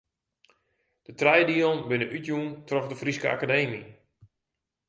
De trije dielen binne útjûn troch de Fryske Akademy.